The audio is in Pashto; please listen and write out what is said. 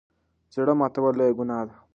زړه ماتول لويه ګناه ده.